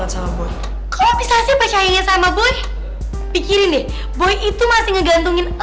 shh jangan jangan coy